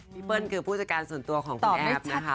เปิ้ลคือผู้จัดการส่วนตัวของคุณแอฟนะคะ